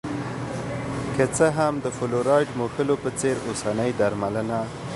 که څه هم د فلورایډ موښلو په څېر اوسنۍ درملنه